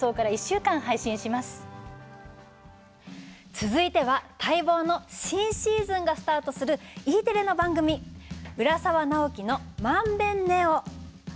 続いては待望の新シーズンがスタートするＥテレの番組「浦沢直樹の漫勉ｎｅｏ」。